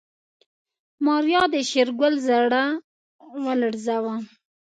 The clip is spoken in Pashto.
ماريا د شېرګل زړه ولړزاوه.